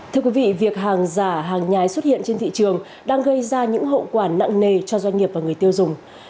thưa quý vị việc hàng giả hàng nhái xuất hiện trên thị trường đang gây ra những hậu quả nặng nề cho doanh nghiệp và người tiêu dùng